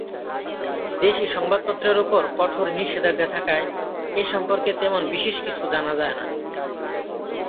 দেশি সংবাদপত্রের উপর কঠোর নিষেধাজ্ঞা থাকায় এ সম্পর্কে তেমন বিশেষ কিছু জানা যায় না।